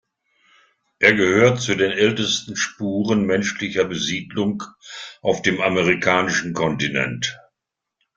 Er gehört zu den ältesten Spuren menschlicher Besiedlung auf dem amerikanischen Kontinent.